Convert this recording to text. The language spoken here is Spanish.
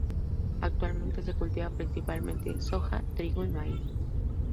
Actualmente se cultiva principalmente soja, trigo y maíz.